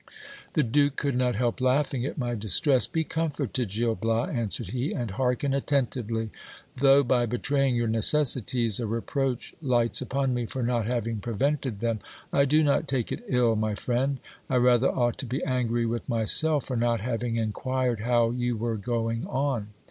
The duke could not help laughing at my distress. Be comforted, Gil Bias, answered he, and hearken attentively. Though by betraying your necessities a reproach lights upon me for not having prevented them, I do not take it ill, my friend. I rather ought to be angry with myself for not having inquired how you were going on.